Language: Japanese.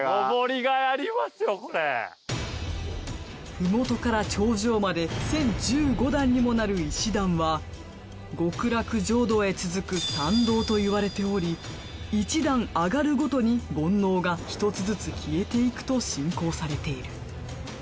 麓から頂上まで１，０１５段にもなる石段は極楽浄土へ続く参道といわれており１段上がるごとに煩悩が１つずつ消えていくと信仰されている。